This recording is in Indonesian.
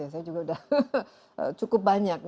saya juga sudah cukup banyak